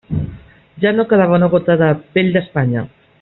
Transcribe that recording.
Ja no quedava una gota de «pell d'Espanya»!